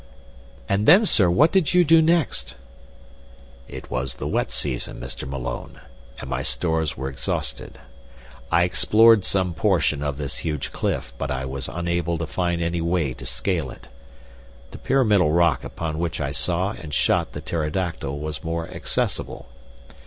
"And then, sir, what did you do next?" "It was the wet season, Mr. Malone, and my stores were exhausted. I explored some portion of this huge cliff, but I was unable to find any way to scale it. The pyramidal rock upon which I saw and shot the pterodactyl was more accessible.